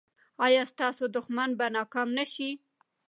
ایا ستاسو دښمن به ناکام نه شي؟